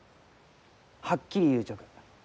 はっきり言うちょく。